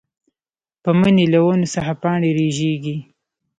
پۀ مني له ونو څخه پاڼې رژيږي